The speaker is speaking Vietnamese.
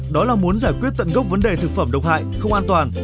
đó là muốn giải quyết tận gốc vấn đề thực phẩm độc hại không an toàn